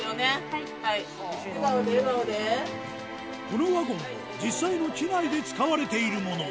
このワゴンも実際の機内で使われているもの